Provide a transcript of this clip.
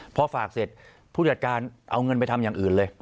พอฝากเสร็จผู้จัดการเอาเงินไปทำอย่างอื่นเลย